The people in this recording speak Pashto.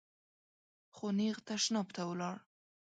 خو نېغ تشناب ته ولاړ .